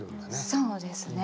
そうですね。